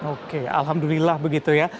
oke alhamdulillah begitu ya